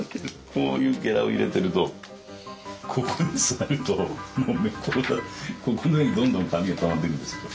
こういうゲラを入れているとここに座るとここの上にどんどん紙がたまっていくんですよ